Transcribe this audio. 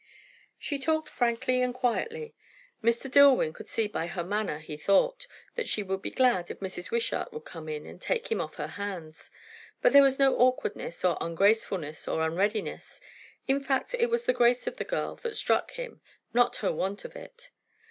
She talked frankly and quietly. Mr. Dillwyn could see by her manner, he thought, that she would be glad if Mrs. Wishart would come in and take him off her hands; but there was no awkwardness or ungracefulness or unreadiness. In fact, it was the grace of the girl that struck him, not her want of it.